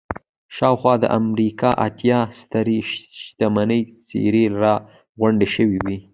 شاوخوا د امريکا اتيا سترې شتمنې څېرې را غونډې شوې وې.